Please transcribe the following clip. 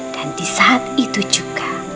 dan disaat itu juga